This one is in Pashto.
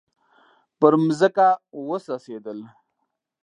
پر مځکه وڅڅیدل